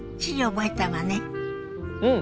うん。